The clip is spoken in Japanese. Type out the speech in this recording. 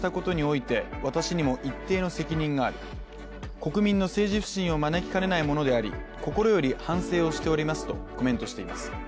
国民の政治不信を招きかねないものであり心より反省をしていますとコメントしています